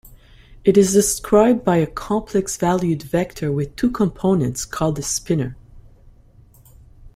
It is described by a complex-valued vector with two components called a spinor.